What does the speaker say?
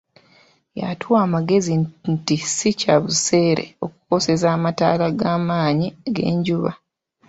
Yatuwa amagezi nti si kya buseere okukozesa amataala g'amaanyi g'enjuba.